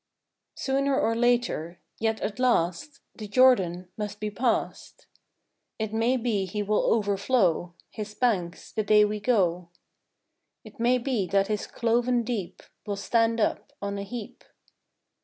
COONER or later; yet at last The Jordan must be past; It may be he will overflow His banks the day we go; It may be that his cloven deep Will stand up on a heap.